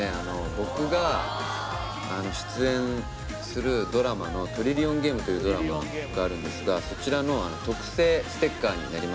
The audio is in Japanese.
僕が出演するドラマの「トリリオンゲーム」というドラマがあるんですがそちらの特製ステッカーになります